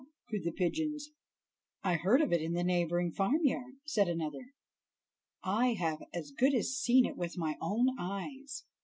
cooed the pigeons. "I heard of it in the neighboring farm yard," said another; "I have as good as seen it with my own eyes.